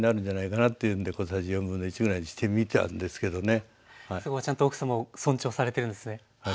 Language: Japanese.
一番納得のそこはちゃんと奥さまを尊重されてるんですね。